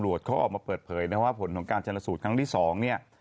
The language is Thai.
เขาออกมาเปิดเผยนะครับว่าผลของการชนสูตรครั้งที่๒เนี่ย